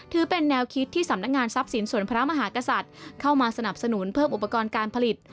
ถือเป็นแนวคิดที่สำนักงานทรัพย์สินส่วนพระมหากษัตริย์เข้ามาสนับสนุนเพิ่มอุปกรณ์การผลิต